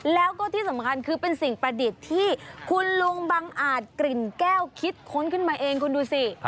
แล้วก็ที่สำคัญคือเป็นสิ่งประดิษฐ์ที่คุณลุงบังอาจกลิ่นแก้วคิดค้นขึ้นมาเองคุณดูสิ